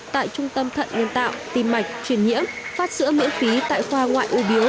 tại trung tâm thận nhân tạo tìm mạch chuyển nhiễm phát sữa miễn phí tại khoa ngoại ưu biếu